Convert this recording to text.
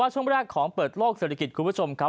ช่วงแรกของเปิดโลกเศรษฐกิจคุณผู้ชมครับ